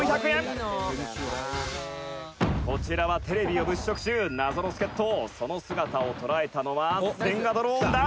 清水：「こちらはテレビを物色中謎の助っ人」「その姿を捉えたのは千賀ドローンだ」